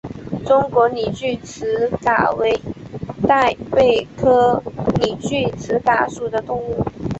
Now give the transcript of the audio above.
中华拟锯齿蛤为贻贝科拟锯齿蛤属的动物。